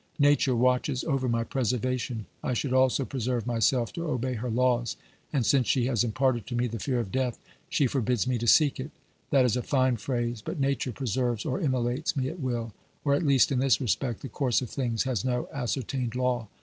Nature watches over my preservation ; I should also preserve myself to obey her laws, and since she has im parted to me the fear of death, she forbids me to seek it. — That is a fine phrase, but Nature preserves or immolates me at will ; or at least, in this respect, the course of things has no ascertained law.